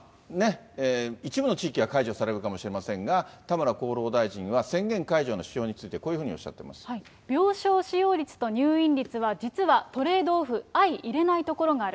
一部の地域は解除されるかもしれませんが、田村厚労大臣は、宣言解除の指標について、病床使用率と入院率は実はトレードオフ、相いれないところがある。